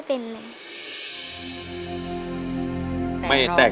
ธรรมดา